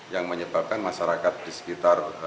yang menyebabkan masyarakat di sekitar